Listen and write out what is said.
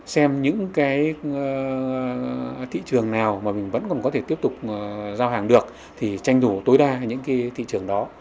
xem những cái thị trường nào mà mình vẫn còn có thể tiếp tục giao hàng được thì tranh thủ tối đa những cái thị trường đó